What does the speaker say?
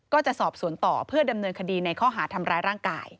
ก็จะสอบสวนต่อเพื่อดำเนินคดีในข้อหาทำร้ายร่างกาย